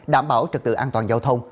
đảm bảo trật tự an toàn giao thông